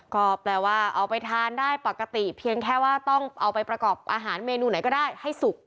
ก็แปลว่าเอาไปทานได้ปกติเพียงแค่ว่าต้องเอาไปประกอบอาหารเมนูไหนก็ได้ให้สุก